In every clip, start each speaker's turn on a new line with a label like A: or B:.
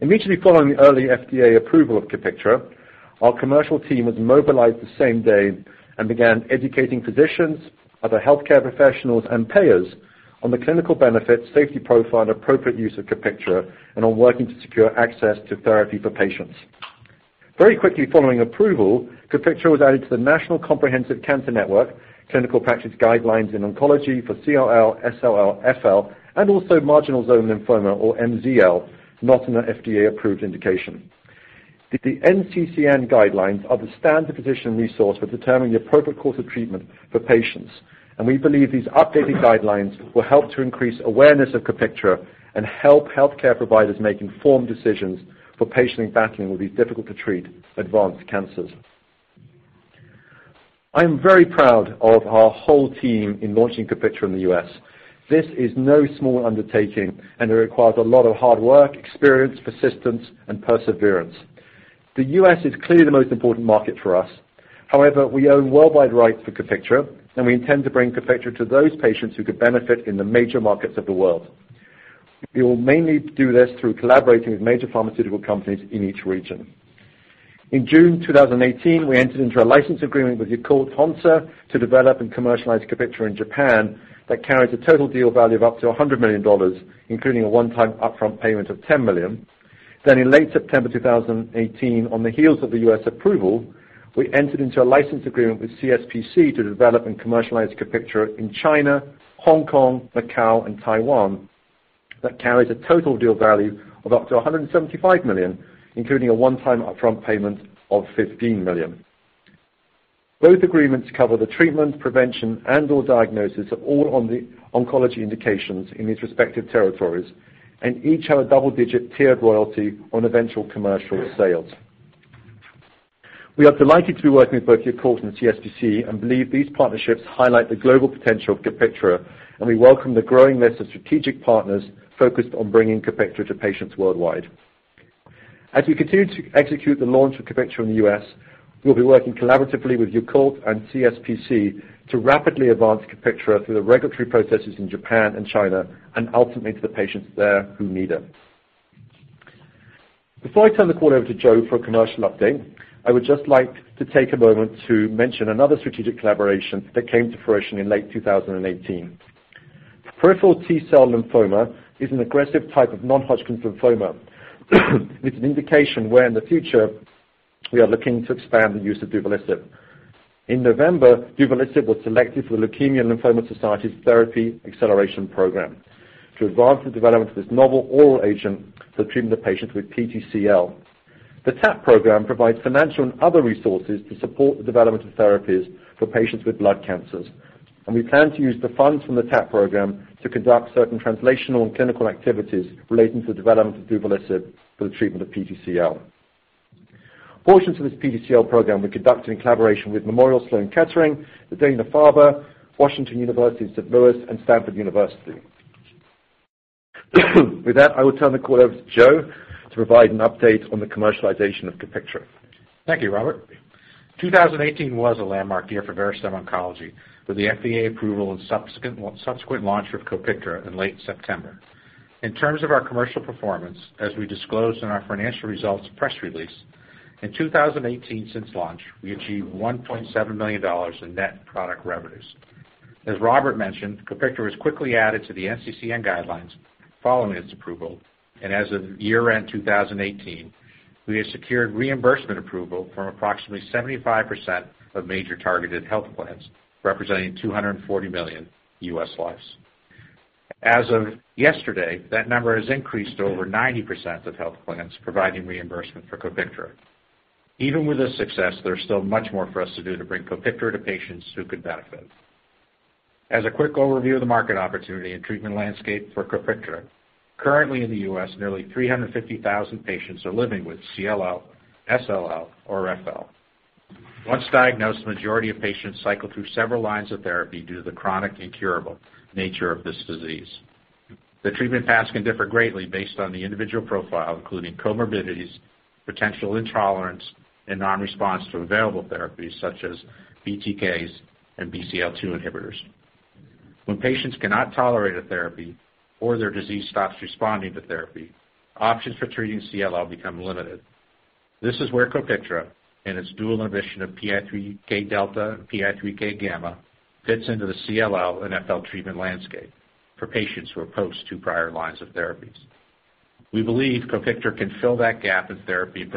A: Immediately following the early FDA approval of COPIKTRA, our commercial team was mobilized the same day and began educating physicians, other healthcare professionals, and payers on the clinical benefits, safety profile, and appropriate use of COPIKTRA, and on working to secure access to therapy for patients. Very quickly following approval, COPIKTRA was added to the National Comprehensive Cancer Network clinical practice guidelines in oncology for CLL, SLL, FL, and also marginal zone lymphoma, or MZL, not in an FDA approved indication. The NCCN guidelines are the standard physician resource for determining appropriate course of treatment for patients, and we believe these updated guidelines will help to increase awareness of COPIKTRA and help healthcare providers make informed decisions for patients battling with these difficult-to-treat advanced cancers. I am very proud of our whole team in launching COPIKTRA in the U.S. This is no small undertaking, it requires a lot of hard work, experience, persistence, and perseverance. The U.S. is clearly the most important market for us. However, we own worldwide rights for COPIKTRA, and we intend to bring COPIKTRA to those patients who could benefit in the major markets of the world. We will mainly do this through collaborating with major pharmaceutical companies in each region. In June 2018, we entered into a license agreement with Yakult Honsha to develop and commercialize COPIKTRA in Japan that carries a total deal value of up to $100 million, including a one-time upfront payment of $10 million. In late September 2018, on the heels of the U.S. approval, we entered into a license agreement with CSPC to develop and commercialize COPIKTRA in China, Hong Kong, Macau, and Taiwan, that carries a total deal value of up to $175 million, including a one-time upfront payment of $15 million. Both agreements cover the treatment, prevention, and/or diagnosis of all oncology indications in these respective territories, each have a double-digit tiered royalty on eventual commercial sales. We are delighted to be working with both Yakult and CSPC and believe these partnerships highlight the global potential of COPIKTRA, and we welcome the growing list of strategic partners focused on bringing COPIKTRA to patients worldwide. As we continue to execute the launch of COPIKTRA in the U.S., we'll be working collaboratively with Yakult and CSPC to rapidly advance COPIKTRA through the regulatory processes in Japan and China, and ultimately to the patients there who need it. Before I turn the call over to Joe for a commercial update, I would just like to take a moment to mention another strategic collaboration that came to fruition in late 2018. Peripheral T-cell lymphoma is an aggressive type of non-Hodgkin's lymphoma with an indication where, in the future, we are looking to expand the use of duvelisib. In November, duvelisib was selected for the Leukemia & Lymphoma Society's Therapy Acceleration Program to advance the development of this novel oral agent for treating the patients with PTCL. The TAP program provides financial and other resources to support the development of therapies for patients with blood cancers. We plan to use the funds from the TAP program to conduct certain translational and clinical activities relating to the development of duvelisib for the treatment of PTCL. Portions of this PTCL program we conduct in collaboration with Memorial Sloan Kettering, the Dana-Farber, Washington University in St. Louis, and Stanford University. With that, I will turn the call over to Joe to provide an update on the commercialization of COPIKTRA.
B: Thank you, Robert. 2018 was a landmark year for Verastem Oncology with the FDA approval and subsequent launch of COPIKTRA in late September. In terms of our commercial performance, as we disclosed in our financial results press release, in 2018 since launch, we achieved $1.7 million in net product revenues. As Robert mentioned, COPIKTRA was quickly added to the NCCN guidelines following its approval. As of year-end 2018, we have secured reimbursement approval from approximately 75% of major targeted health plans, representing 240 million U.S. lives. As of yesterday, that number has increased to over 90% of health plans providing reimbursement for COPIKTRA. Even with this success, there is still much more for us to do to bring COPIKTRA to patients who could benefit. As a quick overview of the market opportunity and treatment landscape for COPIKTRA, currently in the U.S., nearly 350,000 patients are living with CLL, SLL, or FL. Once diagnosed, the majority of patients cycle through several lines of therapy due to the chronic incurable nature of this disease. The treatment paths can differ greatly based on the individual profile, including comorbidities, potential intolerance, and non-response to available therapies such as BTKs and BCL-2 inhibitors. When patients cannot tolerate a therapy or their disease stops responding to therapy, options for treating CLL become limited. This is where COPIKTRA, and its dual inhibition of PI3K-delta and PI3K-gamma, fits into the CLL and FL treatment landscape for patients who are post two prior lines of therapies. We believe COPIKTRA can fill that gap in therapy and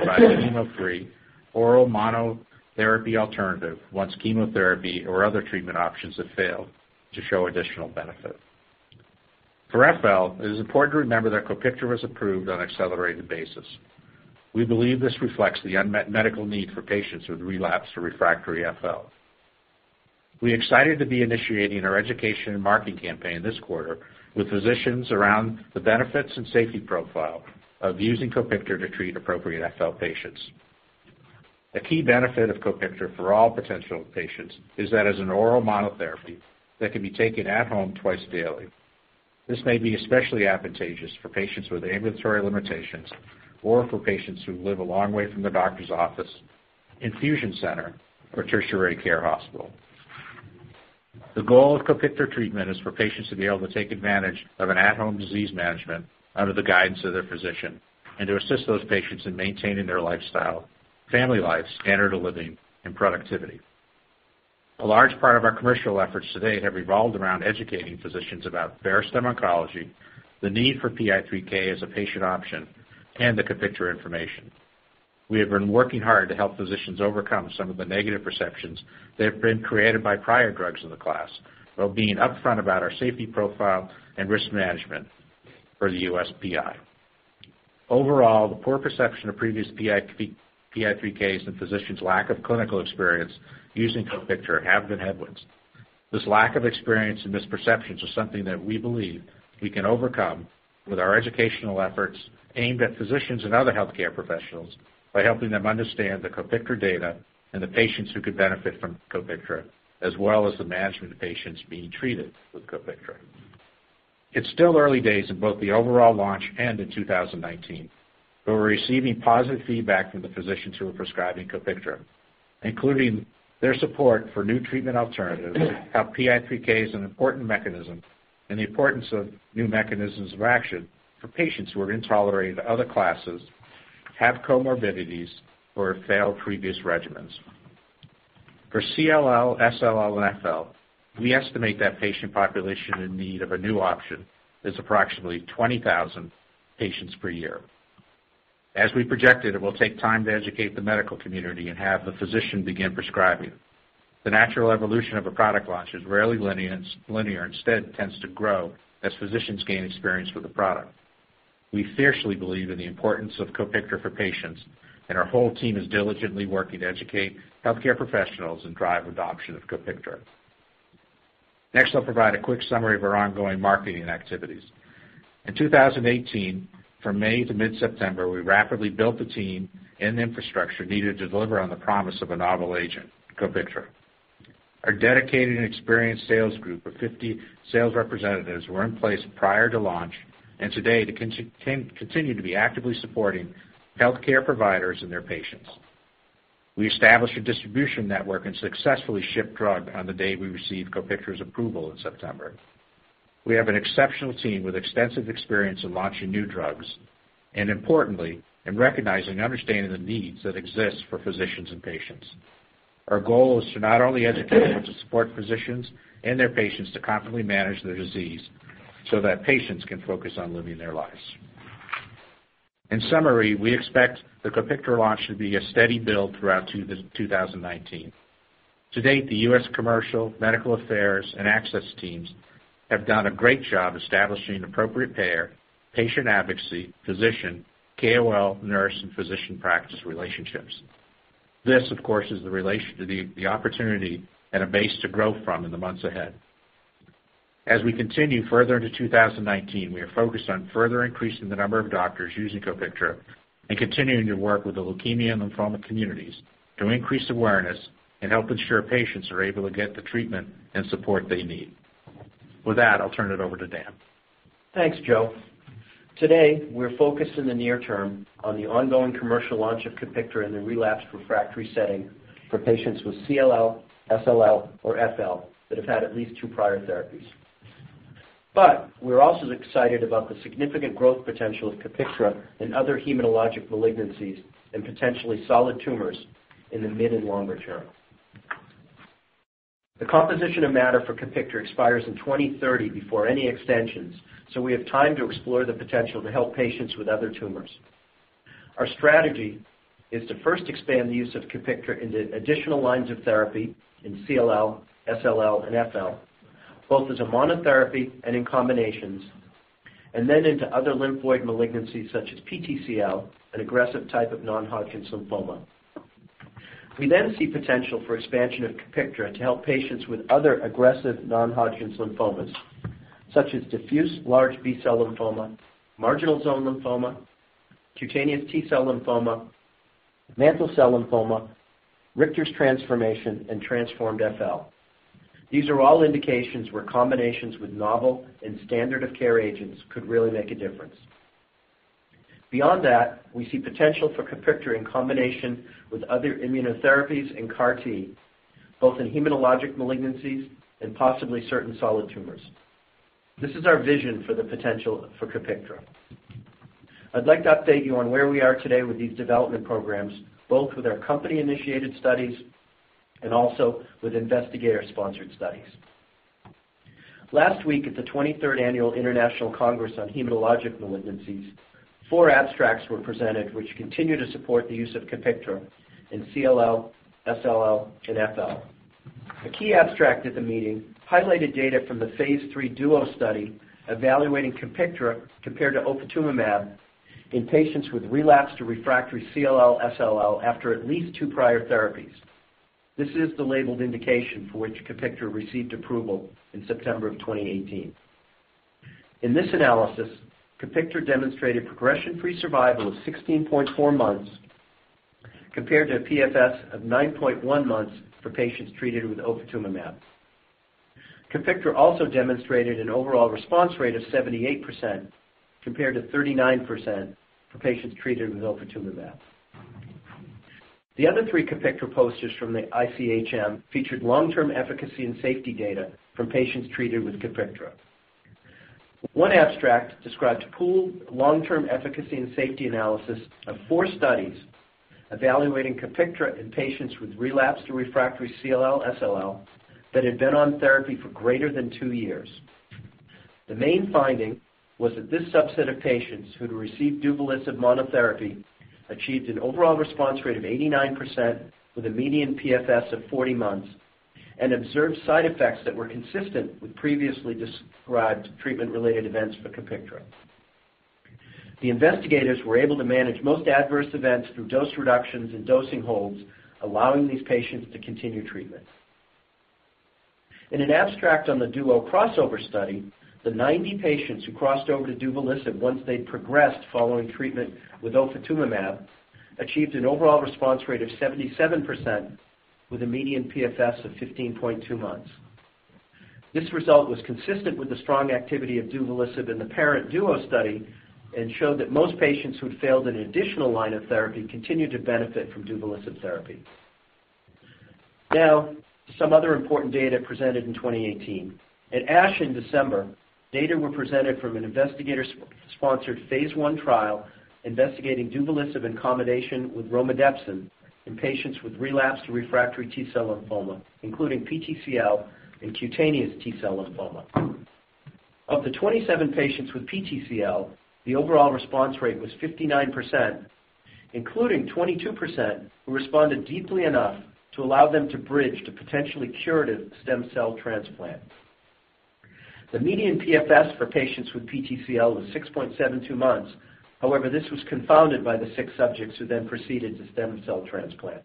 B: provide a chemo-free oral monotherapy alternative once chemotherapy or other treatment options have failed to show additional benefit. For FL, it is important to remember that COPIKTRA was approved on an accelerated basis. We believe this reflects the unmet medical need for patients with relapsed or refractory FL. We are excited to be initiating our education and marketing campaign this quarter with physicians around the benefits and safety profile of using COPIKTRA to treat appropriate FL patients. A key benefit of COPIKTRA for all potential patients is that it is an oral monotherapy that can be taken at home twice daily. This may be especially advantageous for patients with ambulatory limitations or for patients who live a long way from their doctor's office, infusion center, or tertiary care hospital. The goal of COPIKTRA treatment is for patients to be able to take advantage of an at-home disease management under the guidance of their physician, and to assist those patients in maintaining their lifestyle, family life, standard of living, and productivity. A large part of our commercial efforts to date have revolved around educating physicians about Verastem Oncology, the need for PI3K as a patient option, and the COPIKTRA information. We have been working hard to help physicians overcome some of the negative perceptions that have been created by prior drugs in the class, while being upfront about our safety profile and risk management for the USPI. Overall, the poor perception of previous PI3Ks and physicians' lack of clinical experience using COPIKTRA have been headwinds. This lack of experience and misperceptions are something that we believe we can overcome with our educational efforts aimed at physicians and other healthcare professionals by helping them understand the COPIKTRA data and the patients who could benefit from COPIKTRA, as well as the management of patients being treated with COPIKTRA. It's still early days in both the overall launch and in 2019. We're receiving positive feedback from the physicians who are prescribing COPIKTRA, including their support for new treatment alternatives, how PI3K is an important mechanism, and the importance of new mechanisms of action for patients who are intolerant to other classes, have comorbidities, or have failed previous regimens. For CLL, SLL, and FL, we estimate that patient population in need of a new option is approximately 20,000 patients per year. As we projected, it will take time to educate the medical community and have the physician begin prescribing. The natural evolution of a product launch is rarely linear. Instead, it tends to grow as physicians gain experience with the product. We fiercely believe in the importance of COPIKTRA for patients, and our whole team is diligently working to educate healthcare professionals and drive adoption of COPIKTRA. Next, I'll provide a quick summary of our ongoing marketing activities. In 2018, from May to mid-September, we rapidly built the team and the infrastructure needed to deliver on the promise of a novel agent, COPIKTRA. Our dedicated and experienced sales group of 50 sales representatives were in place prior to launch, and today they continue to be actively supporting healthcare providers and their patients. We established a distribution network and successfully shipped drug on the day we received COPIKTRA's approval in September. We have an exceptional team with extensive experience in launching new drugs, and importantly, in recognizing and understanding the needs that exist for physicians and patients. Our goal is to not only educate, but to support physicians and their patients to confidently manage their disease so that patients can focus on living their lives. In summary, we expect the COPIKTRA launch to be a steady build throughout 2019. To date, the U.S. commercial, medical affairs, and access teams have done a great job establishing appropriate payer, patient advocacy, physician, KOL, nurse, and physician practice relationships. This, of course, is the relation to the opportunity and a base to grow from in the months ahead. As we continue further into 2019, we are focused on further increasing the number of doctors using COPIKTRA and continuing to work with the leukemia and lymphoma communities to increase awareness and help ensure patients are able to get the treatment and support they need. With that, I'll turn it over to Dan.
C: Thanks, Joe. Today, we're focused in the near term on the ongoing commercial launch of COPIKTRA in the relapsed refractory setting for patients with CLL, SLL, or FL that have had at least two prior therapies. We're also excited about the significant growth potential of COPIKTRA in other hematologic malignancies and potentially solid tumors in the mid and longer term. The composition of matter for COPIKTRA expires in 2030 before any extensions, so we have time to explore the potential to help patients with other tumors. Our strategy is to first expand the use of COPIKTRA into additional lines of therapy in CLL, SLL, and FL, both as a monotherapy and in combinations, and then into other lymphoid malignancies such as PTCL, an aggressive type of non-Hodgkin's lymphoma. We see potential for expansion of COPIKTRA to help patients with other aggressive non-Hodgkin's lymphomas, such as diffuse large B-cell lymphoma, marginal zone lymphoma, cutaneous T-cell lymphoma, mantle cell lymphoma, Richter's transformation, and transformed FL. These are all indications where combinations with novel and standard of care agents could really make a difference. Beyond that, we see potential for COPIKTRA in combination with other immunotherapies and CAR T, both in hematologic malignancies and possibly certain solid tumors. This is our vision for the potential for COPIKTRA. I'd like to update you on where we are today with these development programs, both with our company-initiated studies and also with investigator-sponsored studies. Last week, at the 23rd Annual International Congress on Hematologic Malignancies, four abstracts were presented which continue to support the use of COPIKTRA in CLL, SLL, and FL. A key abstract at the meeting highlighted data from the phase III DUO study evaluating COPIKTRA compared to ofatumumab in patients with relapsed or refractory CLL/SLL after at least two prior therapies. This is the labeled indication for which COPIKTRA received approval in September of 2018. In this analysis, COPIKTRA demonstrated progression-free survival of 16.4 months compared to a PFS of 9.1 months for patients treated with ofatumumab. COPIKTRA also demonstrated an overall response rate of 78% compared to 39% for patients treated with ofatumumab. The other three COPIKTRA posters from the ICHM featured long-term efficacy and safety data from patients treated with COPIKTRA. One abstract described pooled long-term efficacy and safety analysis of four studies evaluating COPIKTRA in patients with relapsed to refractory CLL/SLL that had been on therapy for greater than two years. The main finding was that this subset of patients who had received duvelisib monotherapy achieved an overall response rate of 89% with a median PFS of 40 months and observed side effects that were consistent with previously described treatment-related events for COPIKTRA. The investigators were able to manage most adverse events through dose reductions and dosing holds, allowing these patients to continue treatment. In an abstract on the DUO crossover study, the 90 patients who crossed over to duvelisib once they had progressed following treatment with ofatumumab, achieved an overall response rate of 77% with a median PFS of 15.2 months. This result was consistent with the strong activity of duvelisib in the parent DUO study and showed that most patients who had failed an additional line of therapy continued to benefit from duvelisib therapy. Some other important data presented in 2018. At ASH in December, data were presented from an investigator-sponsored phase I trial investigating duvelisib in combination with romidepsin in patients with relapsed refractory T-cell lymphoma, including PTCL and cutaneous T-cell lymphoma. Of the 27 patients with PTCL, the overall response rate was 59%, including 22% who responded deeply enough to allow them to bridge to potentially curative stem cell transplant. The median PFS for patients with PTCL was 6.72 months. However, this was confounded by the six subjects who then proceeded to stem cell transplant.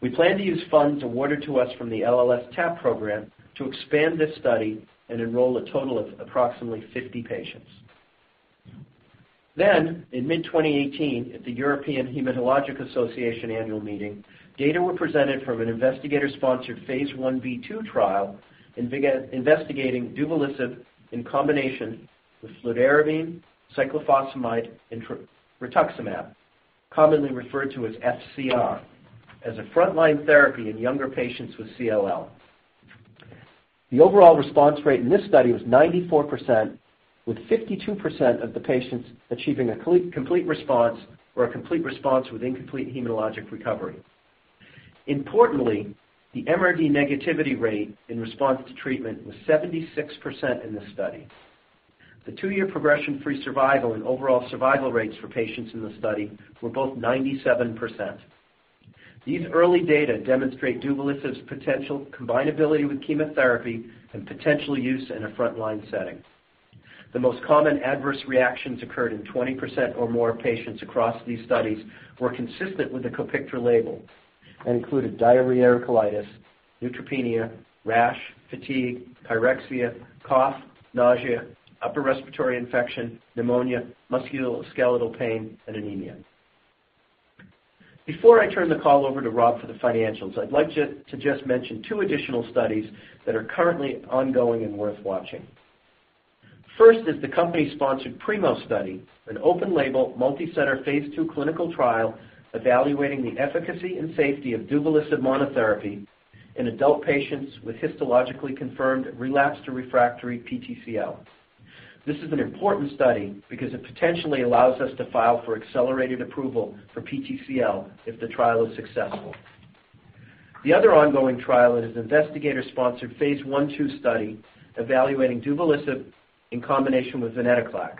C: We plan to use funds awarded to us from the LLS TAP program to expand this study and enroll a total of approximately 50 patients. Then in mid-2018 at the European Hematologic Association annual meeting, data were presented from an investigator-sponsored phase I-B/II trial investigating duvelisib in combination with fludarabine, cyclophosphamide, and rituximab, commonly referred to as FCR, as a frontline therapy in younger patients with CLL. The overall response rate in this study was 94%, with 52% of the patients achieving a complete response or a complete response with incomplete hematologic recovery. Importantly, the MRD negativity rate in response to treatment was 76% in this study. The two-year progression-free survival and overall survival rates for patients in the study were both 97%. These early data demonstrate duvelisib's potential combinability with chemotherapy and potential use in a frontline setting. The most common adverse reactions occurred in 20% or more patients across these studies were consistent with the COPIKTRA label and included diarrhea or colitis, neutropenia, rash, fatigue, pyrexia, cough, nausea, upper respiratory infection, pneumonia, musculoskeletal pain, and anemia. Before I turn the call over to Rob for the financials, I would like to just mention two additional studies that are currently ongoing and worth watching. First is the company-sponsored PRIMO study, an open-label, multi-center, phase II clinical trial evaluating the efficacy and safety of duvelisib monotherapy in adult patients with histologically confirmed relapsed to refractory PTCL. This is an important study because it potentially allows us to file for accelerated approval for PTCL if the trial is successful. The other ongoing trial is an investigator-sponsored phase I/II study evaluating duvelisib in combination with venetoclax,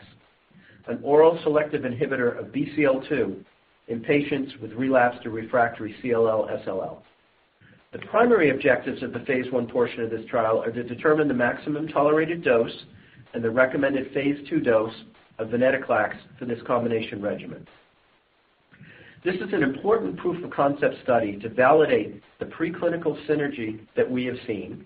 C: an oral selective inhibitor of BCL-2 in patients with relapsed or refractory CLL/SLL. The primary objectives of the phase I portion of this trial are to determine the maximum tolerated dose and the recommended phase II dose of venetoclax for this combination regimen. This is an important proof of concept study to validate the preclinical synergy that we have seen,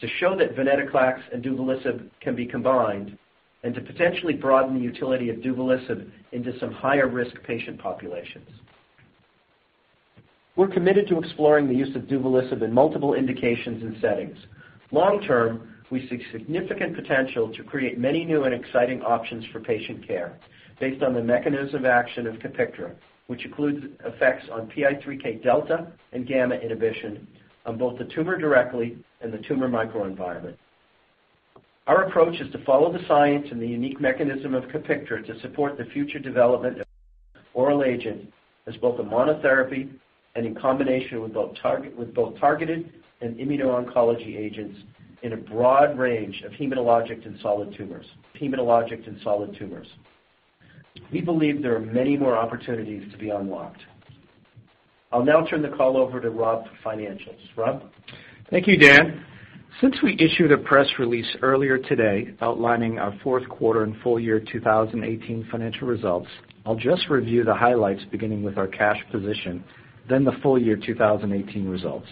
C: to show that venetoclax and duvelisib can be combined, and to potentially broaden the utility of duvelisib into some higher-risk patient populations. We're committed to exploring the use of duvelisib in multiple indications and settings. Long term, we see significant potential to create many new and exciting options for patient care based on the mechanism of action of COPIKTRA, which includes effects on PI3K-delta and PI3K-gamma inhibition on both the tumor directly and the tumor microenvironment. Our approach is to follow the science and the unique mechanism of COPIKTRA to support the future development of oral agent as both a monotherapy and in combination with both targeted and immuno-oncology agents in a broad range of hematologic and solid tumors. We believe there are many more opportunities to be unlocked. I'll now turn the call over to Rob for financials. Rob?
D: Thank you, Dan. Since we issued a press release earlier today outlining our fourth quarter and full year 2018 financial results, I'll just review the highlights, beginning with our cash position, then the full year 2018 results.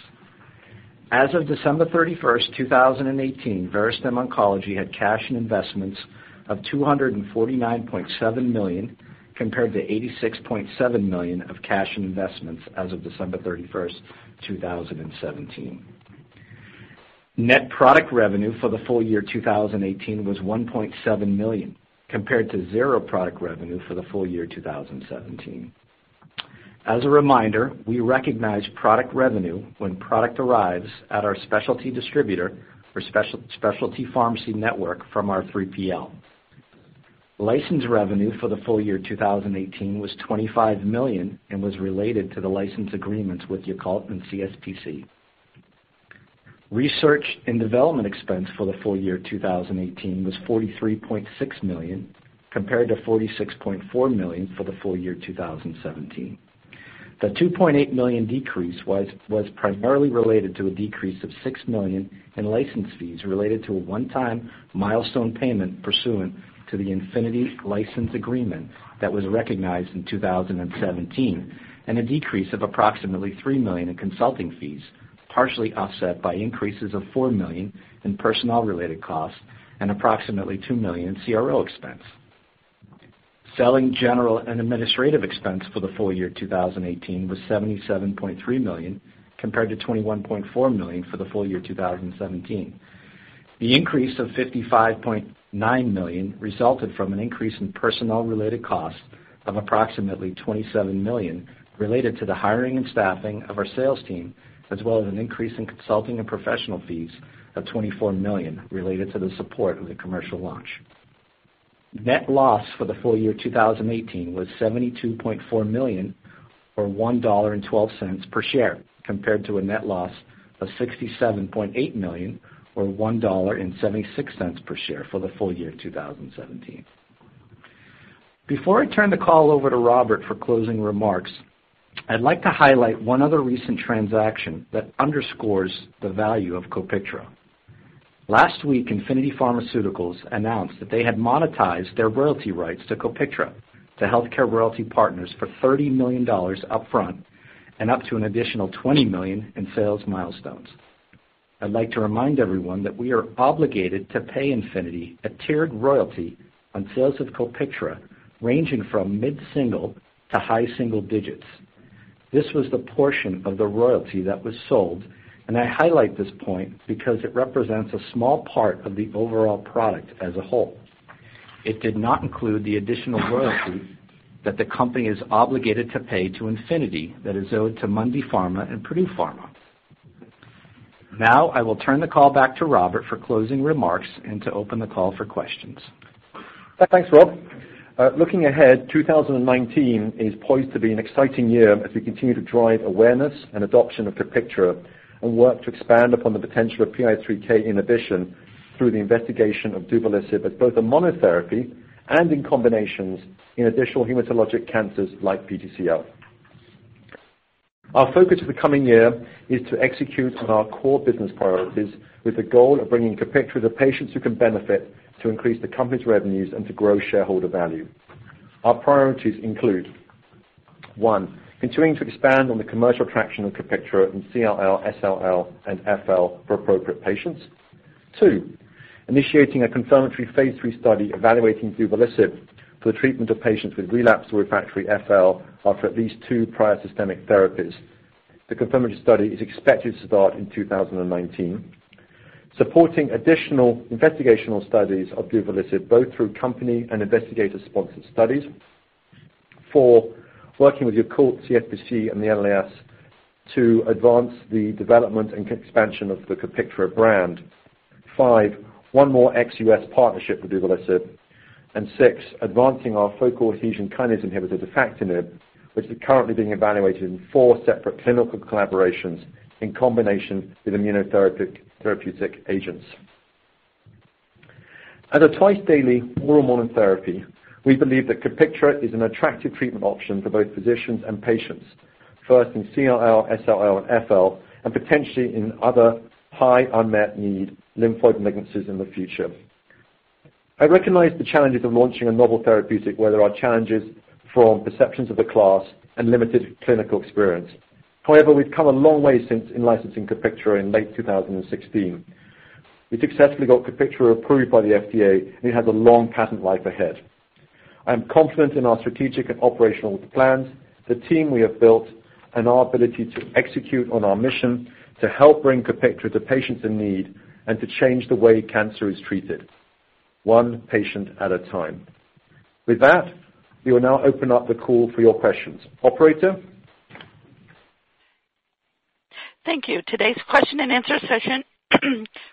D: As of December 31st, 2018, Verastem Oncology had cash and investments of $249.7 million, compared to $86.7 million of cash and investments as of December 31st, 2017. Net product revenue for the full year 2018 was $1.7 million compared to zero product revenue for the full year 2017. As a reminder, we recognize product revenue when product arrives at our specialty distributor or specialty pharmacy network from our 3PL. License revenue for the full year 2018 was $25 million and was related to the license agreements with Yakult and CSPC. Research and development expense for the full year 2018 was $43.6 million compared to $46.4 million for the full year 2017. The $2.8 million decrease was primarily related to a decrease of $6 million in license fees related to a one-time milestone payment pursuant to the Infinity license agreement that was recognized in 2017, and a decrease of approximately $3 million in consulting fees, partially offset by increases of $4 million in personnel-related costs and approximately $2 million in CRO expense. Selling, general, and administrative expense for the full year 2018 was $77.3 million compared to $21.4 million for the full year 2017. The increase of $55.9 million resulted from an increase in personnel-related costs of approximately $27 million related to the hiring and staffing of our sales team, as well as an increase in consulting and professional fees of $24 million related to the support of the commercial launch. Net loss for the full year 2018 was $72.4 million or $1.12 per share, compared to a net loss of $67.8 million or $1.76 per share for the full year 2017. Before I turn the call over to Robert for closing remarks, I'd like to highlight one other recent transaction that underscores the value of COPIKTRA. Last week, Infinity Pharmaceuticals announced that they had monetized their royalty rights to COPIKTRA to HealthCare Royalty Partners for $30 million upfront and up to an additional $20 million in sales milestones. I'd like to remind everyone that we are obligated to pay Infinity a tiered royalty on sales of COPIKTRA ranging from mid-single to high single digits. This was the portion of the royalty that was sold, and I highlight this point because it represents a small part of the overall product as a whole. It did not include the additional royalty that the company is obligated to pay to Infinity that is owed to Mundipharma and Purdue Pharma. I will turn the call back to Robert for closing remarks and to open the call for questions.
A: Thanks, Rob. Looking ahead, 2019 is poised to be an exciting year as we continue to drive awareness and adoption of COPIKTRA and work to expand upon the potential of PI3K inhibition through the investigation of duvelisib as both a monotherapy and in combinations in additional hematologic cancers like PTCL. Our focus for the coming year is to execute on our core business priorities with the goal of bringing COPIKTRA to patients who can benefit to increase the company's revenues and to grow shareholder value. Our priorities include, one, continuing to expand on the commercial traction of COPIKTRA in CLL, SLL, and FL for appropriate patients. Two, initiating a confirmatory phase III study evaluating duvelisib for the treatment of patients with relapsed or refractory FL after at least two prior systemic therapies. The confirmatory study is expected to start in 2019. Supporting additional investigational studies of duvelisib both through company and investigator-sponsored studies. Four, working with Yakult, CSPC, and the LLS to advance the development and expansion of the COPIKTRA brand. Five, one more ex-U.S. partnership with duvelisib. Six, advancing our focal adhesion kinase inhibitor defactinib, which is currently being evaluated in four separate clinical collaborations in combination with immunotherapeutic agents. As a twice-daily oral monotherapy, we believe that COPIKTRA is an attractive treatment option for both physicians and patients, first in CLL, SLL, and FL, and potentially in other high unmet need lymphoid malignancies in the future. I recognize the challenges of launching a novel therapeutic where there are challenges from perceptions of the class and limited clinical experience. However, we've come a long way since in licensing COPIKTRA in late 2016. We successfully got COPIKTRA approved by the FDA, and it has a long patent life ahead. I'm confident in our strategic and operational plans, the team we have built, and our ability to execute on our mission to help bring COPIKTRA to patients in need and to change the way cancer is treated one patient at a time. With that, we will now open up the call for your questions. Operator?
E: Thank you. Today's question and answer session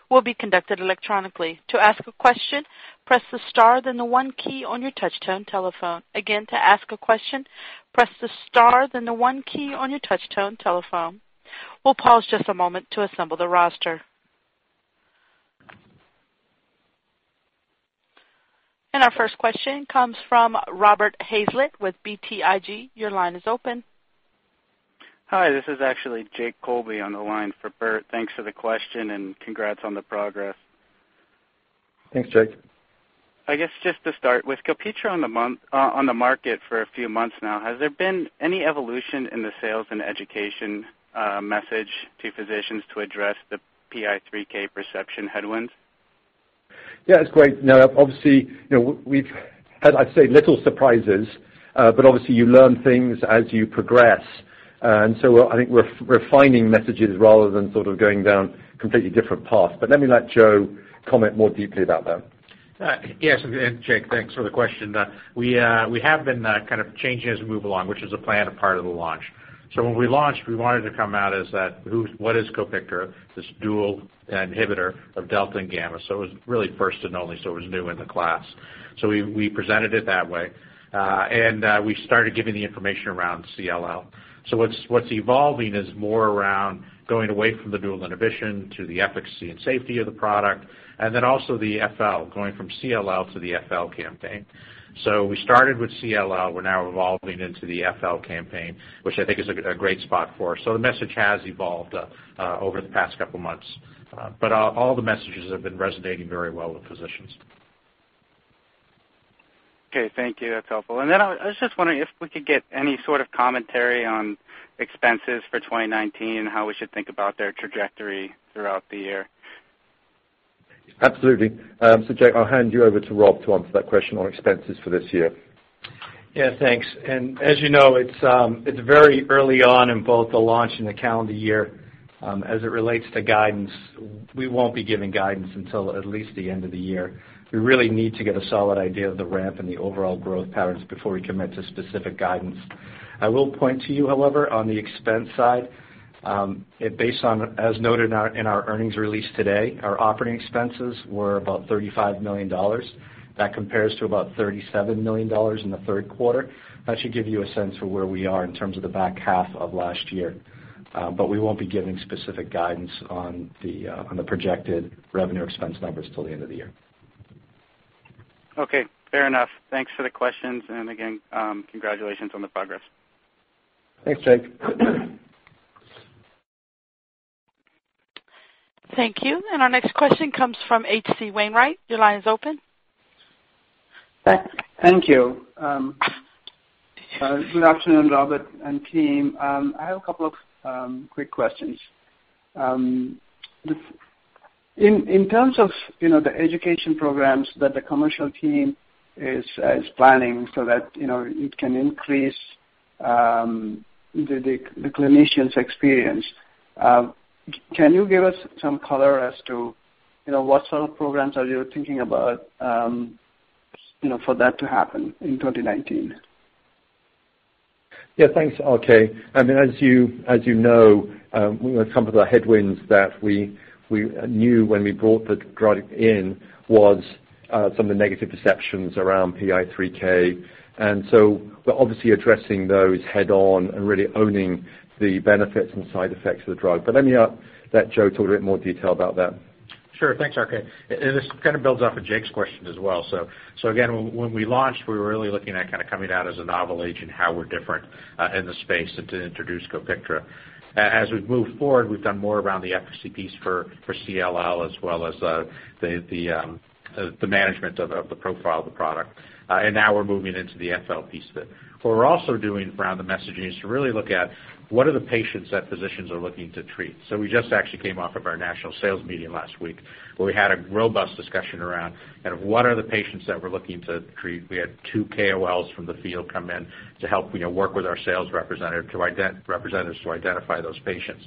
E: will be conducted electronically. To ask a question, press the star then the one key on your touch tone telephone. Again, to ask a question, press the star then the one key on your touch tone telephone. We'll pause just a moment to assemble the roster. Our first question comes from Robert Hazlett with BTIG. Your line is open.
F: Hi, this is actually Jake Colby on the line for Bert. Thanks for the question and congrats on the progress.
A: Thanks, Jake.
F: I guess just to start, with COPIKTRA on the market for a few months now, has there been any evolution in the sales and education message to physicians to address the PI3K perception headwinds?
A: Yeah, it's great. Now, obviously, we've had, I'd say, little surprises. Obviously you learn things as you progress. I think we're refining messages rather than sort of going down completely different paths. Let me let Joe comment more deeply about that.
B: Yes. Jake, thanks for the question. We have been kind of changing as we move along, which is a plan and part of the launch. When we launched, we wanted to come out as that, what is COPIKTRA? This dual inhibitor of delta and gamma. It was really first and only, it was new in the class. We presented it that way. We started giving the information around CLL. What's evolving is more around going away from the dual inhibition to the efficacy and safety of the product, and then also the FL, going from CLL to the FL campaign. We started with CLL. We're now evolving into the FL campaign, which I think is a great spot for us. The message has evolved over the past couple of months. All the messages have been resonating very well with physicians.
F: Okay. Thank you. That's helpful. Then I was just wondering if we could get any sort of commentary on expenses for 2019 and how we should think about their trajectory throughout the year.
A: Absolutely. Jake, I'll hand you over to Rob to answer that question on expenses for this year.
D: Yeah, thanks. As you know, it's very early on in both the launch and the calendar year. As it relates to guidance, we won't be giving guidance until at least the end of the year. We really need to get a solid idea of the ramp and the overall growth patterns before we commit to specific guidance. I will point to you, however, on the expense side, based on as noted in our earnings release today, our operating expenses were about $35 million. That compares to about $37 million in the third quarter. That should give you a sense for where we are in terms of the back half of last year. We won't be giving specific guidance on the projected revenue expense numbers till the end of the year.
F: Okay. Fair enough. Thanks for the questions, and again, congratulations on the progress.
A: Thanks, Jake.
E: Thank you. Our next question comes from H.C. Wainwright. Your line is open.
G: Thank you. Good afternoon, Robert and team. I have a couple of quick questions. In terms of the education programs that the commercial team is planning so that it can increase the clinician's experience, can you give us some color as to what sort of programs are you thinking about for that to happen in 2019?
A: Yeah. Thanks, RK. As you know, some of the headwinds that we knew when we brought the drug in was some of the negative perceptions around PI3K, and so we're obviously addressing those head on and really owning the benefits and side effects of the drug. Let me let Joe talk a bit more detail about that.
B: Sure. Thanks, RK. This kind of builds off Jake's question as well. Again, when we launched, we were really looking at kind of coming out as a novel agent, how we're different in the space, and to introduce COPIKTRA. As we've moved forward, we've done more around the efficacy piece for CLL as well as the management of the profile of the product. Now we're moving into the FL piece of it. What we're also doing around the messaging is to really look at what are the patients that physicians are looking to treat. We just actually came off of our national sales meeting last week, where we had a robust discussion around kind of what are the patients that we're looking to treat. We had two KOLs from the field come in to help work with our sales representatives to identify those patients.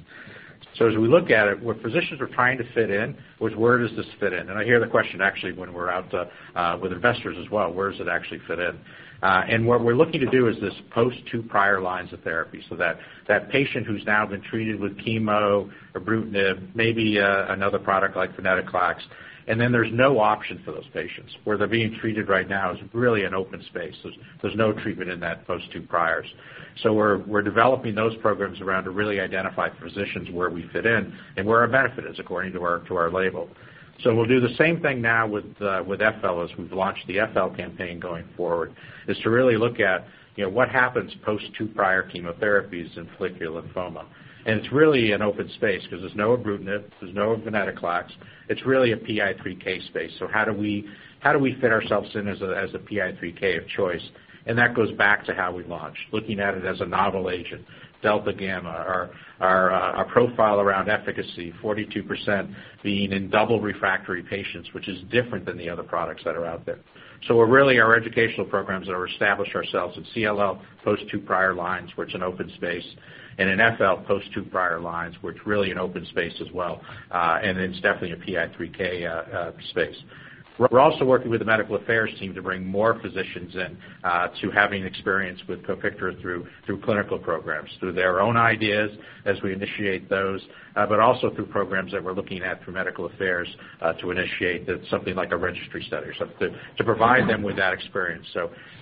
B: As we look at it, where physicians are trying to fit in, which where does this fit in? I hear the question actually when we're out with investors as well, where does it actually fit in? What we're looking to do is this post 2 prior lines of therapy so that that patient who's now been treated with chemo, ibrutinib, maybe another product like venetoclax, then there's no option for those patients. Where they're being treated right now is really an open space. There's no treatment in that post 2 priors. We're developing those programs around to really identify physicians where we fit in and where our benefit is according to our label. We'll do the same thing now with FL as we've launched the FL campaign going forward, is to really look at what happens post 2 prior chemotherapies in follicular lymphoma. It's really an open space because there's no ibrutinib, there's no venetoclax. It's really a PI3K space. How do we fit ourselves in as a PI3K of choice? That goes back to how we launched, looking at it as a novel agent, delta gamma, our profile around efficacy, 42% being in double refractory patients, which is different than the other products that are out there. Really our educational programs are established ourselves in CLL post 2 prior lines, which an open space, and in FL post 2 prior lines, which really an open space as well. It's definitely a PI3K space. We're also working with the medical affairs team to bring more physicians in to having experience with COPIKTRA through clinical programs, through their own ideas as we initiate those, but also through programs that we're looking at for medical affairs, to initiate something like a registry study or something to provide them with that experience.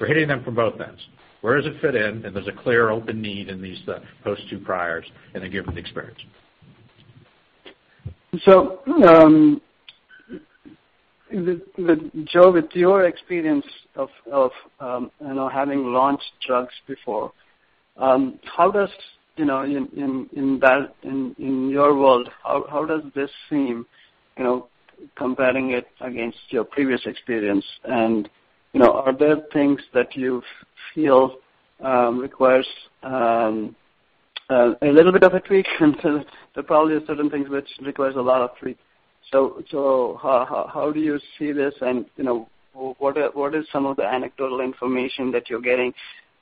B: We're hitting them from both ends. Where does it fit in? There's a clear open need in these post 2 priors and then give them the experience.
G: Joe, with your experience of having launched drugs before, in your world, how does this seem comparing it against your previous experience? Are there things that you feel requires a little bit of a tweak until there probably are certain things which requires a lot of tweak. How do you see this? What is some of the anecdotal information that you're getting,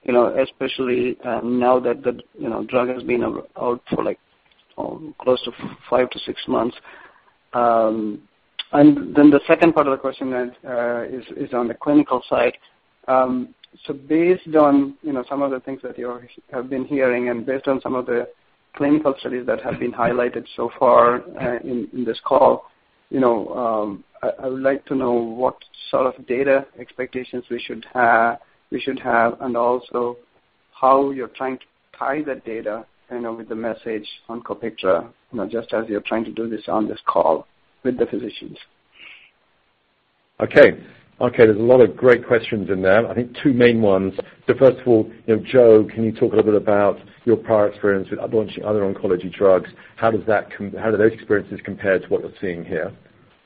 G: especially now that the drug has been out for close to five to six months? Then the second part of the question then is on the clinical side. Based on some of the things that you have been hearing, and based on some of the clinical studies that have been highlighted so far in this call, I would like to know what sort of data expectations we should have, and also how you're trying to tie that data in with the message on COPIKTRA, just as you're trying to do this on this call with the physicians.
A: Okay. There's a lot of great questions in there. I think two main ones. First of all, Joe, can you talk a little bit about your prior experience with other oncology drugs? How do those experiences compare to what you're seeing here?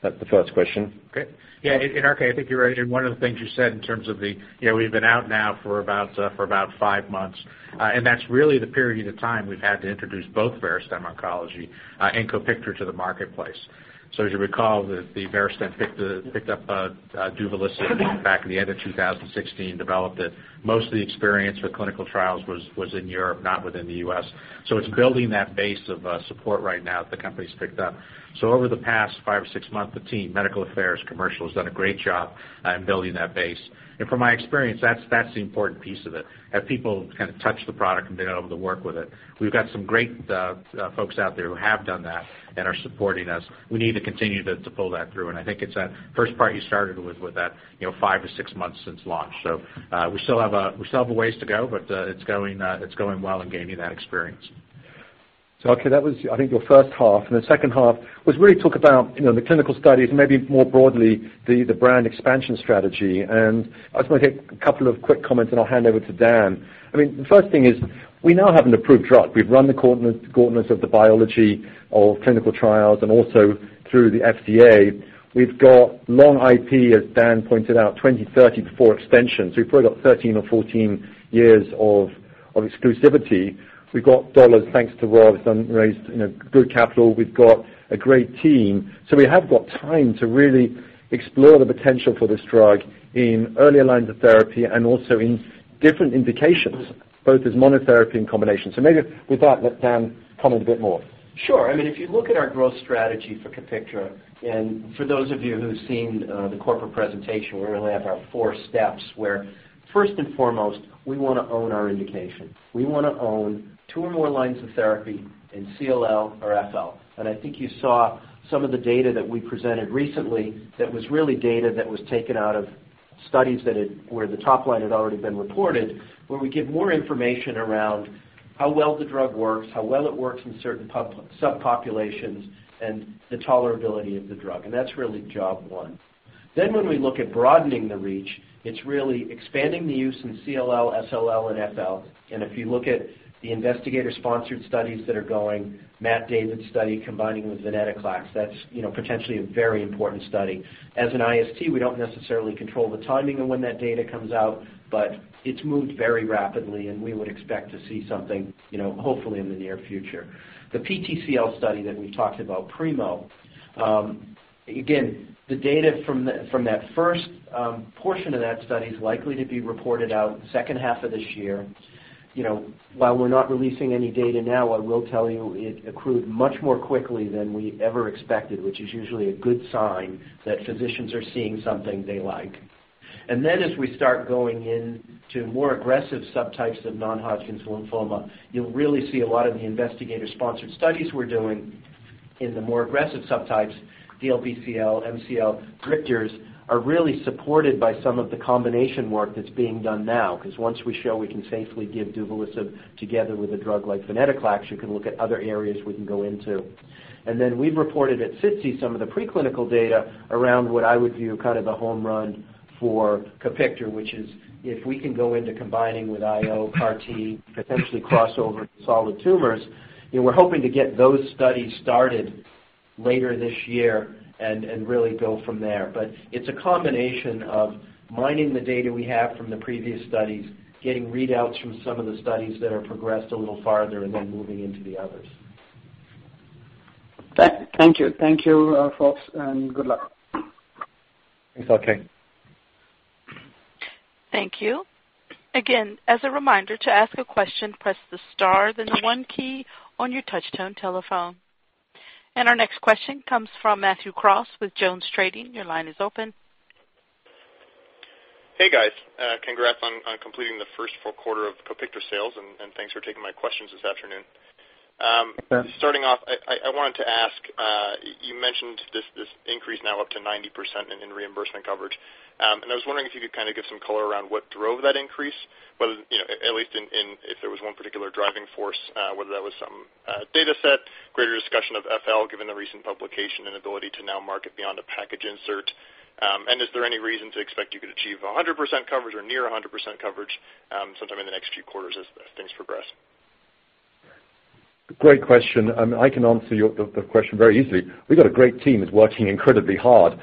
A: That's the first question.
B: Okay. Yeah, RK, I think you're right. One of the things you said in terms of the, we've been out now for about five months. That's really the period of time we've had to introduce both Verastem Oncology and COPIKTRA to the marketplace. As you recall, Verastem picked up duvelisib back at the end of 2016, developed it. Most of the experience with clinical trials was in Europe, not within the U.S. It's building that base of support right now that the company's picked up. Over the past five or six months, the team, medical affairs, commercial, has done a great job in building that base. From my experience, that's the important piece of it. Have people touch the product and been able to work with it. We've got some great folks out there who have done that and are supporting us. We need to continue to pull that through, and I think it's that first part you started with that five to six months since launch. We still have a ways to go, but it's going well and gaining that experience.
A: Okay, that was I think your first half, the second half was really talk about the clinical studies and maybe more broadly, the brand expansion strategy. I just want to get a couple of quick comments and I'll hand over to Dan. The first thing is we now have an approved drug. We've run the gauntlet of the biology of clinical trials and also through the FDA. We've got long IP, as Dan pointed out, 2030 before extension. We've probably got 13 or 14 years of exclusivity. We've got dollars thanks to Rob, who's raised good capital. We've got a great team. We have got time to really explore the potential for this drug in earlier lines of therapy and also in different indications, both as monotherapy and combination. Maybe with that, let Dan comment a bit more.
C: Sure. If you look at our growth strategy for COPIKTRA, for those of you who've seen the corporate presentation, we really have our four steps where first and foremost, we want to own our indication. We want to own two or more lines of therapy in CLL or FL. I think you saw some of the data that we presented recently that was really data that was taken out of studies where the top line had already been reported, where we give more information around how well the drug works, how well it works in certain subpopulations, and the tolerability of the drug. That's really job one. When we look at broadening the reach, it's really expanding the use in CLL, SLL and FL. If you look at the Investigator-Sponsored Studies that are going, Matt Davids's study combining with venetoclax, that's potentially a very important study. As an IST, we don't necessarily control the timing of when that data comes out, but it's moved very rapidly, and we would expect to see something, hopefully in the near future. The PTCL study that we've talked about, PRIMO. Again, the data from that first portion of that study is likely to be reported out in the second half of this year. While we're not releasing any data now, I will tell you it accrued much more quickly than we ever expected, which is usually a good sign that physicians are seeing something they like. As we start going into more aggressive subtypes of non-Hodgkin's lymphoma, you'll really see a lot of the Investigator-Sponsored Studies we're doing in the more aggressive subtypes, DLBCL, MCL, Richter's, are really supported by some of the combination work that's being done now. Because once we show we can safely give duvelisib together with a drug like venetoclax, you can look at other areas we can go into. We've reported at SITC some of the preclinical data around what I would view kind of the home run for COPIKTRA, which is if we can go into combining with IO CAR T, potentially cross over to solid tumors. We're hoping to get those studies started later this year and really go from there. It's a combination of mining the data we have from the previous studies, getting readouts from some of the studies that are progressed a little farther, and then moving into the others.
G: Thank you. Thank you, folks, and good luck.
A: Thanks, RK.
E: Thank you. Again, as a reminder, to ask a question, press the star then the one key on your touch tone telephone. Our next question comes from Matthew Cross with Jones Trading. Your line is open.
H: Hey, guys. Congrats on completing the first full quarter of COPIKTRA sales, thanks for taking my questions this afternoon.
A: Thanks, Matt.
H: Starting off, I wanted to ask, you mentioned this increase now up to 90% in reimbursement coverage. I was wondering if you could give some color around what drove that increase, at least if there was one particular driving force, whether that was some data set, greater discussion of FL, given the recent publication and ability to now market beyond a package insert. Is there any reason to expect you could achieve 100% coverage or near 100% coverage sometime in the next few quarters as things progress?
A: Great question. I can answer the question very easily. We've got a great team that's working incredibly hard.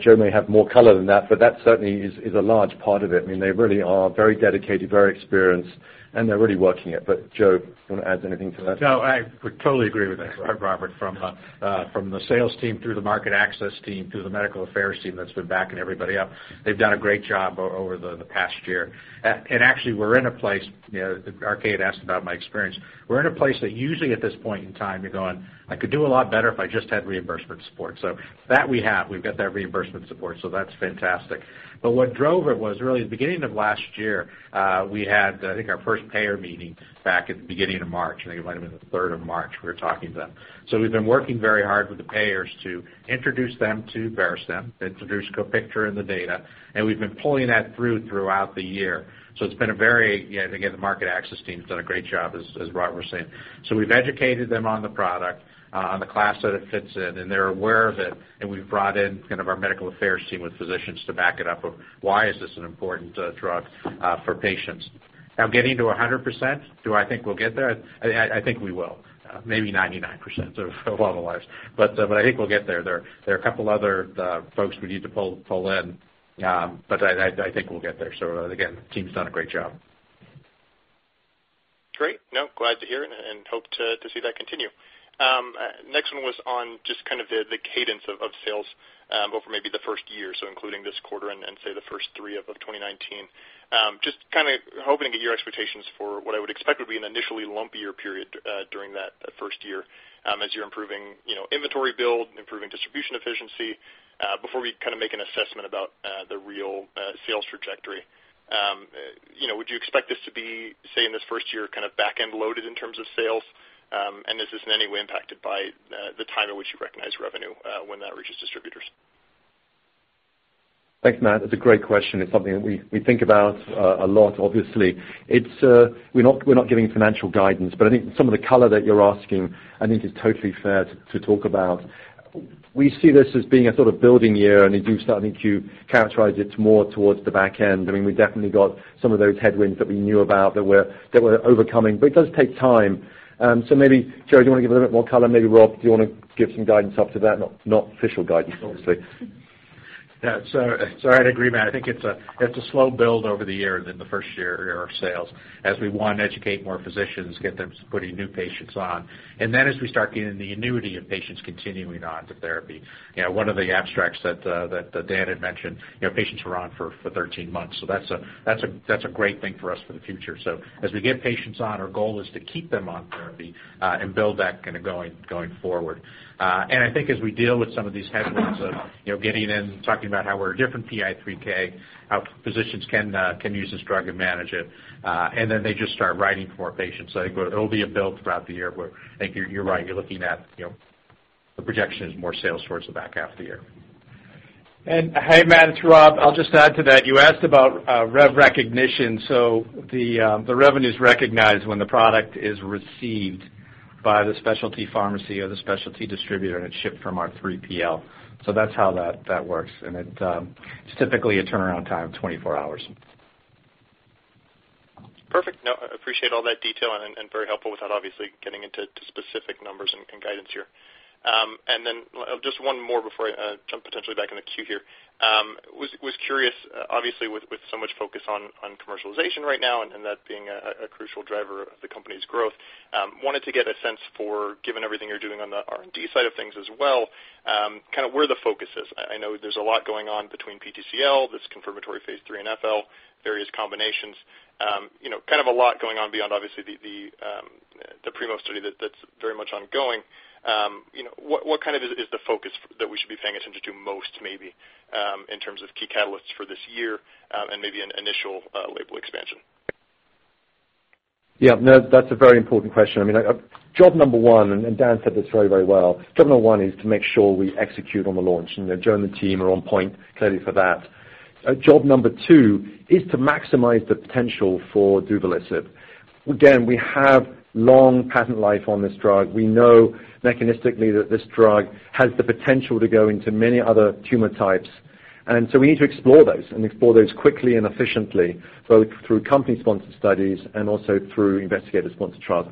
A: Joe may have more color than that certainly is a large part of it. They really are very dedicated, very experienced, they're really working it. Joe, do you want to add anything to that?
B: I would totally agree with that, Robert. From the sales team through the market access team, to the medical affairs team that's been backing everybody up. They've done a great job over the past year. Actually, [RK] asked about my experience. We're in a place that usually at this point in time, you're going, "I could do a lot better if I just had reimbursement support." That we have. We've got that reimbursement support, so that's fantastic. What drove it was really the beginning of last year, we had, I think, our first payer meeting back at the beginning of March. I think it might have been the 3rd of March, we were talking then. We've been working very hard with the payers to introduce them to Verastem, introduce COPIKTRA and the data, and we've been pulling that through throughout the year. Again, the market access team has done a great job, as Robert was saying. We've educated them on the product, on the class that it fits in, and they're aware of it. We've brought in our medical affairs team with physicians to back it up of why is this an important drug for patients. Getting to 100%, do I think we'll get there? I think we will. Maybe 99% of our lives. I think we'll get there. There are a couple other folks we need to pull in. I think we'll get there. Again, the team's done a great job.
H: Great. Glad to hear it and hope to see that continue. Next one was on just the cadence of sales over maybe the first year, including this quarter and say the first three of 2019. Just hoping to get your expectations for what I would expect would be an initially lumpier period during that first year as you're improving inventory build and improving distribution efficiency, before we make an assessment about the real sales trajectory. Would you expect this to be, say, in this first year, back-end loaded in terms of sales? Is this in any way impacted by the time at which you recognize revenue when that reaches distributors?
A: Thanks, Matt. That's a great question. It's something that we think about a lot, obviously. We're not giving financial guidance, I think some of the color that you're asking, I think is totally fair to talk about. We see this as being a sort of building year, I think you characterize it more towards the back end. We definitely got some of those headwinds that we knew about that we're overcoming, it does take time. Maybe, Joe, do you want to give a little bit more color? Maybe Rob, do you want to give some guidance off of that? Not official guidance, obviously.
B: I'd agree, Matt. I think it's a slow build over the year in the first year of sales, as we, one, educate more physicians, get them putting new patients on. As we start getting the annuity of patients continuing onto therapy. One of the abstracts that Dan had mentioned, patients were on for 13 months. That's a great thing for us for the future. As we get patients on, our goal is to keep them on therapy and build that going forward. I think as we deal with some of these headwinds of getting in, talking about how we're a different PI3K, how physicians can use this drug and manage it. Then they just start writing for more patients. I think it'll be a build throughout the year, but I think you're right. You're looking at the projection is more sales towards the back half of the year.
D: Hey, Matt, it's Rob. I'll just add to that. You asked about rev recognition. The revenue's recognized when the product is received by the specialty pharmacy or the specialty distributor, and it's shipped from our 3PL. That's how that works, and it's typically a turnaround time of 24 hours.
H: Perfect. No, I appreciate all that detail and very helpful without obviously getting into specific numbers and guidance here. Just one more before I jump potentially back in the queue here. Was curious, obviously, with so much focus on commercialization right now and that being a crucial driver of the company's growth, wanted to get a sense for, given everything you're doing on the R&D side of things as well, where the focus is. I know there's a lot going on between PTCL, this confirmatory phase III in FL, various combinations. A lot going on beyond, obviously, the PRIMO study that's very much ongoing. What is the focus that we should be paying attention to most maybe, in terms of key catalysts for this year and maybe an initial label expansion?
A: No, that's a very important question. Job number one. Dan said this very, very well. Job number one is to make sure we execute on the launch. Joe and the team are on point clearly for that. Job number two is to maximize the potential for duvelisib. Again, we have long patent life on this drug. We know mechanistically that this drug has the potential to go into many other tumor types. We need to explore those and explore those quickly and efficiently, both through company-sponsored studies and also through investigator-sponsored trials.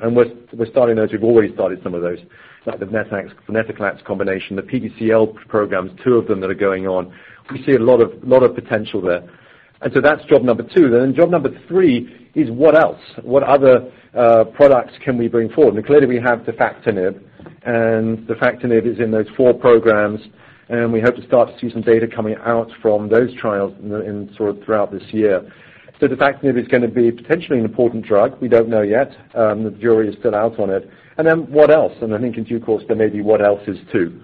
A: We're starting those. We've already started some of those, like the venetoclax combination, the PTCL programs, two of them that are going on. We see a lot of potential there. That's job number two. Job number three is what else? What other products can we bring forward? Clearly, we have defactinib, and defactinib is in those four programs, and we hope to start to see some data coming out from those trials throughout this year. Defactinib is going to be potentially an important drug. We don't know yet. The jury is still out on it. What else? I think in due course, there may be what else is too.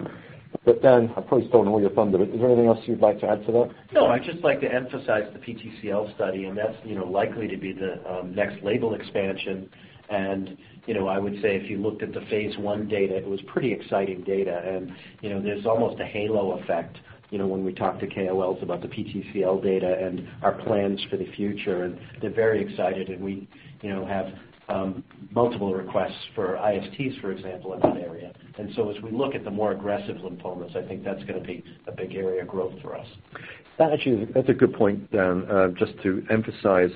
A: But Dan, I've probably stolen all your thunder. Is there anything else you'd like to add to that?
C: No, I'd just like to emphasize the PTCL study. That's likely to be the next label expansion. I would say if you looked at the phase I data, it was pretty exciting data. There's almost a halo effect, when we talk to KOLs about the PTCL data and our plans for the future. They're very excited, and we have multiple requests for ISTs, for example, in that area. As we look at the more aggressive lymphomas, I think that's going to be a big area of growth for us.
A: That's a good point, Dan. Just to emphasize,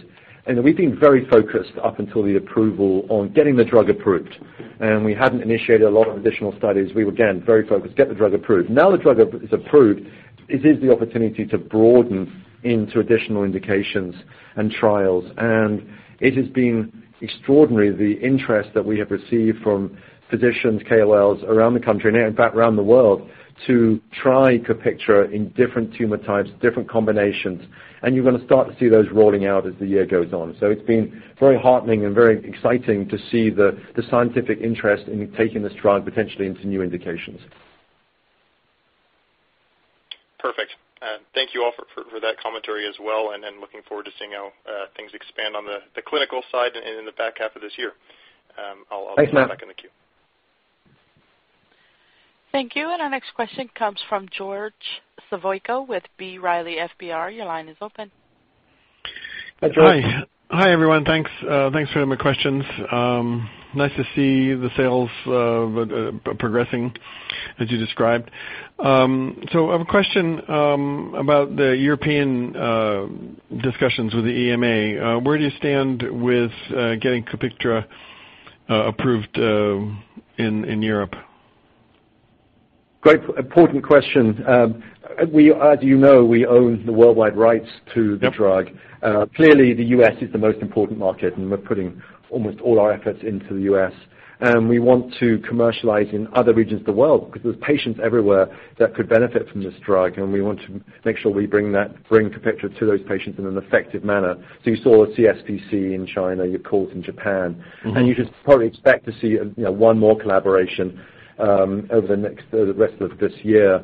A: we've been very focused up until the approval on getting the drug approved. We hadn't initiated a lot of additional studies. We were, again, very focused to get the drug approved. Now that the drug is approved, it is the opportunity to broaden into additional indications and trials. It has been extraordinary the interest that we have received from physicians, KOLs around the country, and in fact, around the world, to try COPIKTRA in different tumor types, different combinations. You're going to start to see those rolling out as the year goes on. It's been very heartening and very exciting to see the scientific interest in taking this drug potentially into new indications.
H: Perfect. Thank you all for that commentary as well, looking forward to seeing how things expand on the clinical side and in the back half of this year.
A: Thanks, Matt.
H: I'll pass it back in the queue.
E: Thank you. Our next question comes from George Zavoico with B. Riley FBR. Your line is open.
A: Hi, George.
I: Hi, everyone. Thanks for the questions. Nice to see the sales progressing as you described. I have a question about the European discussions with the EMA. Where do you stand with getting COPIKTRA approved in Europe?
A: Great, important question. As you know, we own the worldwide rights to the drug.
I: Yep.
A: Clearly, the U.S. is the most important market, we're putting almost all our efforts into the U.S. We want to commercialize in other regions of the world because there's patients everywhere that could benefit from this drug, we want to make sure we bring COPIKTRA to those patients in an effective manner. You saw the CSPC in China, Yakult in Japan. You should probably expect to see one more collaboration over the rest of this year.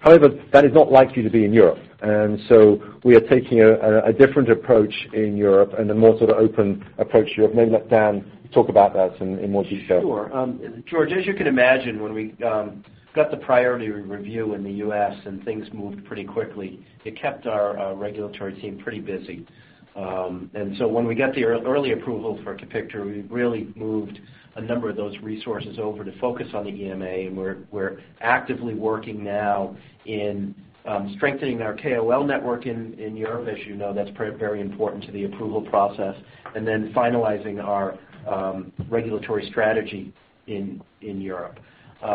A: However, that is not likely to be in Europe. We are taking a different approach in Europe and a more sort of open approach to Europe. Maybe let Dan talk about that in more detail.
C: Sure. George, as you can imagine, when we got the priority review in the U.S. and things moved pretty quickly, it kept our regulatory team pretty busy. When we got the early approval for COPIKTRA, we really moved a number of those resources over to focus on the EMA, and we're actively working now in strengthening our KOL network in Europe. As you know, that's very important to the approval process, and then finalizing our regulatory strategy in Europe. There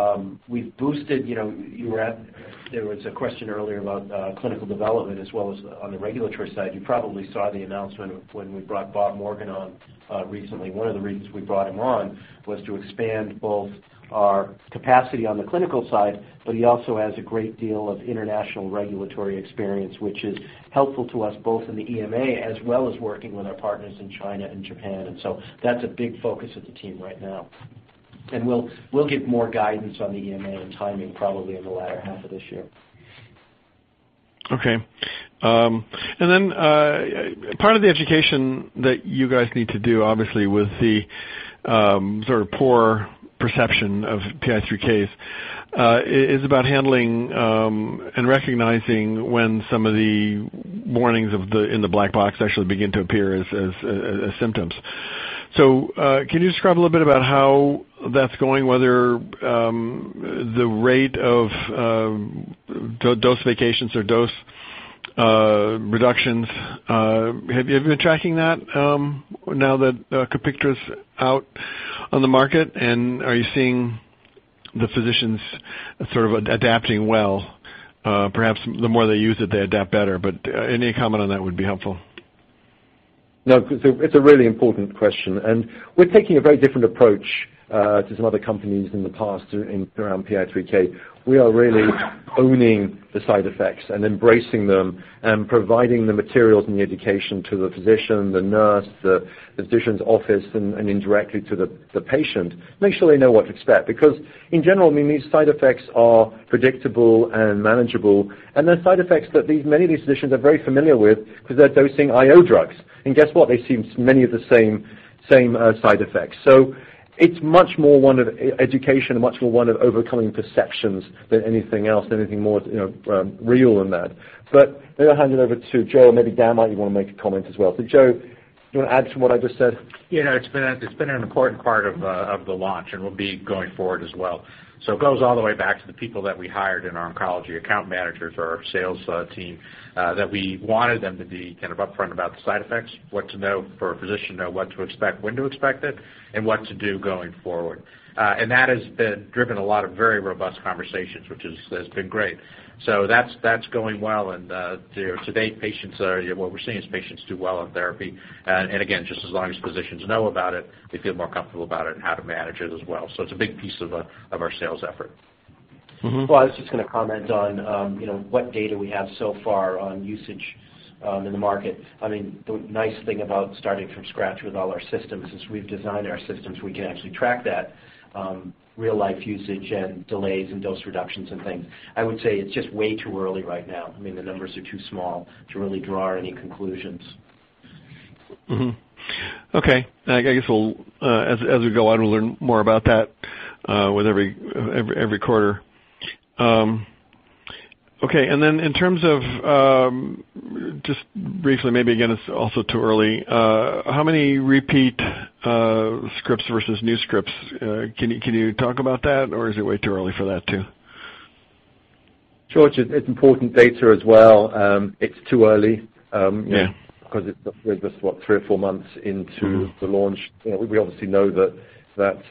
C: was a question earlier about clinical development as well as on the regulatory side. You probably saw the announcement of when we brought Bob Morgan on recently. One of the reasons we brought him on was to expand both our capacity on the clinical side, but he also has a great deal of international regulatory experience, which is helpful to us both in the EMA as well as working with our partners in China and Japan. That's a big focus of the team right now. We'll give more guidance on the EMA and timing probably in the latter half of this year.
I: Okay. Part of the education that you guys need to do, obviously, with the sort of poor perception of PI3Ks, is about handling and recognizing when some of the warnings in the black box actually begin to appear as symptoms. Can you describe a little bit about how that's going, whether the rate of dose vacations or dose reductions have you been tracking that now that COPIKTRA's out on the market, and are you seeing the physicians sort of adapting well? Perhaps the more they use it, they adapt better. Any comment on that would be helpful.
A: No, it's a really important question. We're taking a very different approach to some other companies in the past around PI3K. We are really owning the side effects and embracing them and providing the materials and the education to the physician, the nurse, the physician's office, and indirectly to the patient. Make sure they know what to expect. Because in general, these side effects are predictable and manageable, and they're side effects that many of these physicians are very familiar with because they're dosing IO drugs. Guess what? They see many of the same side effects. It's much more one of education, much more one of overcoming perceptions than anything else, than anything more real than that. Maybe I'll hand it over to Joe, and maybe Dan, might you want to make a comment as well. Joe, you want to add to what I just said?
B: It's been an important part of the launch and will be going forward as well. It goes all the way back to the people that we hired in our oncology account managers or our sales team, that we wanted them to be upfront about the side effects, what to know for a physician, know what to expect, when to expect it, and what to do going forward. That has driven a lot of very robust conversations, which has been great. That's going well, and to date, what we're seeing is patients do well on therapy. Again, just as long as physicians know about it, they feel more comfortable about it and how to manage it as well. It's a big piece of our sales effort. Well, I was just going to comment on what data we have so far on usage in the market. The nice thing about starting from scratch with all our systems is we've designed our systems. We can actually track that real-life usage and delays in dose reductions and things. I would say it's just way too early right now. The numbers are too small to really draw any conclusions.
I: Okay. I guess as we go on, we'll learn more about that with every quarter. Okay. Then in terms of, just briefly, maybe again, it's also too early. How many repeat scripts versus new scripts? Can you talk about that, or is it way too early for that, too?
A: George, it's important data as well. It's too early.
I: Yeah.
A: We're just, what, three or four months into the launch. We obviously know that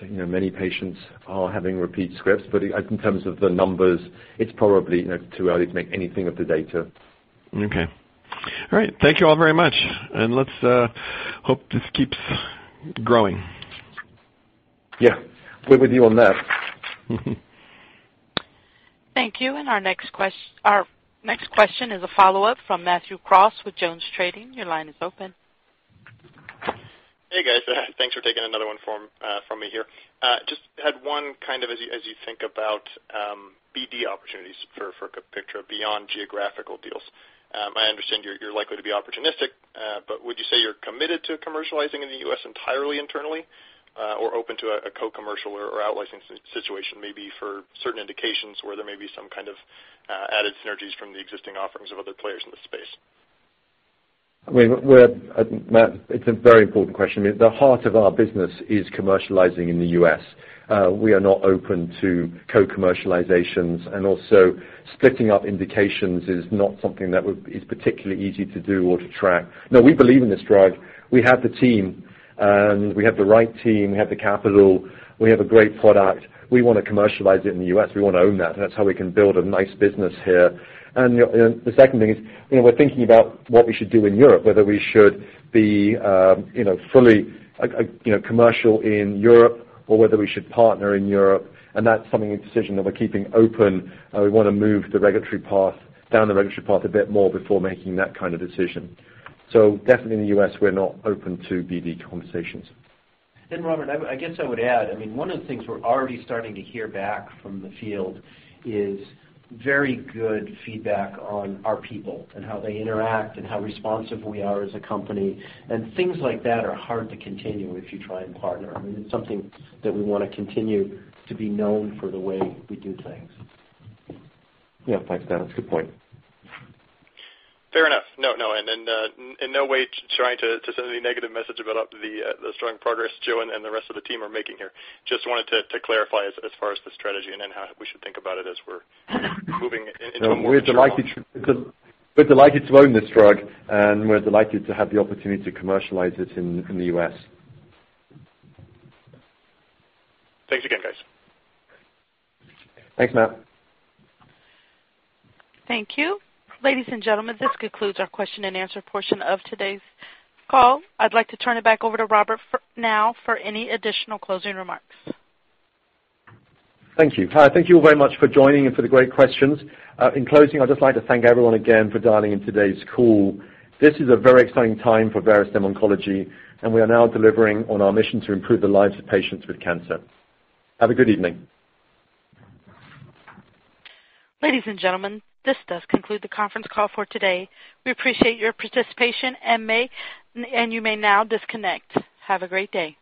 A: many patients are having repeat scripts, but in terms of the numbers, it's probably too early to make anything of the data.
I: Okay. All right. Thank you all very much, and let's hope this keeps growing.
A: Yeah. We're with you on that.
E: Thank you. Our next question is a follow-up from Matthew Cross with Jones Trading. Your line is open.
H: Hey, guys. Thanks for taking another one from me here. Just had one kind of as you think about BD opportunities for COPIKTRA beyond geographical deals. I understand you're likely to be opportunistic, but would you say you're committed to commercializing in the U.S. entirely internally, or open to a co-commercial or out licensing situation, maybe for certain indications where there may be some kind of added synergies from the existing offerings of other players in the space?
A: Matt, it's a very important question. The heart of our business is commercializing in the U.S. We are not open to co-commercializations. Also splitting up indications is not something that is particularly easy to do or to track. No, we believe in this drug. We have the team. We have the right team. We have the capital. We have a great product. We want to commercialize it in the U.S. We want to own that. That's how we can build a nice business here. The second thing is, we're thinking about what we should do in Europe, whether we should be fully commercial in Europe or whether we should partner in Europe. That's something, a decision that we're keeping open. We want to move down the regulatory path a bit more before making that kind of decision. Definitely in the U.S., we're not open to BD conversations.
C: Robert, I guess I would add, one of the things we're already starting to hear back from the field is very good feedback on our people and how they interact and how responsive we are as a company. things like that are hard to continue if you try and partner. It's something that we want to continue to be known for the way we do things.
A: Yeah. Thanks, Dan. That's a good point.
H: Fair enough. No, and in no way trying to send any negative message about the strong progress Joe and the rest of the team are making here. Just wanted to clarify as far as the strategy and then how we should think about it as we're moving into more mature launch.
A: We're delighted to own this drug, and we're delighted to have the opportunity to commercialize it in the U.S.
H: Thanks again, guys.
A: Thanks, Matt.
E: Thank you. Ladies and gentlemen, this concludes our question-and-answer portion of today's call. I'd like to turn it back over to Robert now for any additional closing remarks.
A: Thank you. Thank you all very much for joining and for the great questions. In closing, I'd just like to thank everyone again for dialing in today's call. This is a very exciting time for Verastem Oncology, and we are now delivering on our mission to improve the lives of patients with cancer. Have a good evening.
E: Ladies and gentlemen, this does conclude the conference call for today. We appreciate your participation, and you may now disconnect. Have a great day.